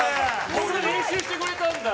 こんな練習してくれたんだ。